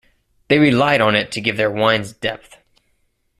They relied on it to give their wines depth.